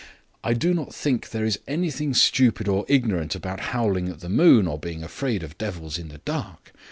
I do not think there is anything stupid or ignorant about howling at the moon or being afraid of devils in the dark.